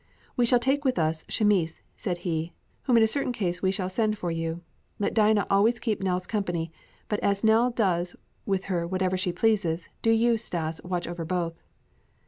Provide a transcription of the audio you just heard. "We shall take with us, Chamis," he said, "whom in a certain case we shall send for you. Let Dinah always keep Nell's company, but as Nell does with her whatever she pleases, do you, Stas, watch over both."